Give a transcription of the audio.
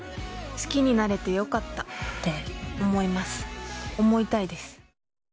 好きになれて良かったって思います、思いたいです。